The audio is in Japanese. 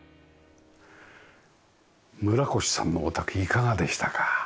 村越さんのお宅いかがでしたか？